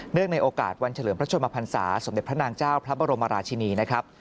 ในโอกาสวันเฉลิมพระชนมพันศาสมเด็จพระนางเจ้าพระบรมราชินีนะครับ